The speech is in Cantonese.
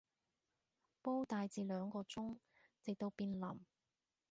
煲大致兩個鐘，直到變腍